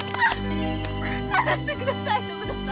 離してください徳田様！